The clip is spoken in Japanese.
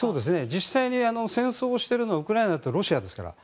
実際に戦争をしているのはウクライナとロシアですから。